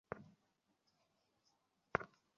প্রশ্নগুলো আমাকে করতে দাও।